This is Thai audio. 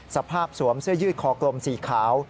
สวมเสื้อยืดคอกลมสีขาว